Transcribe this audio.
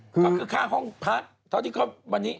คือข้างห้องพักเท่าที่เขาบรรยี